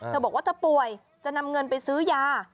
บอกว่าเธอป่วยจะนำเงินไปซื้อยา